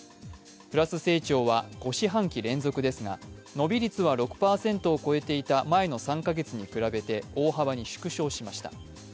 プラス成長は５四半期連続ですが、伸び率は６％を超えていた前の３カ月に比べ大幅に縮小しました。